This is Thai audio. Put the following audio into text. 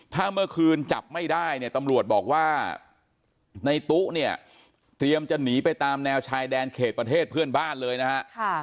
ถ้าเมื่อคืนจับไม่ได้เนี่ยตำรวจบอกว่าในตู้เนี่ยเตรียมจะหนีไปตามแนวชายแดนเขตประเทศเพื่อนบ้านเลยนะฮะ